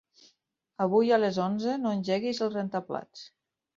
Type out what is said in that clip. Avui a les onze no engeguis el rentaplats.